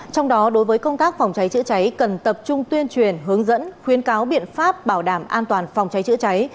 trong đó đối với công tác phòng cháy chữa cháy cần tập trung tuyên truyền hướng dẫn khuyến cáo biện pháp bảo đảm an toàn phòng cháy chữa cháy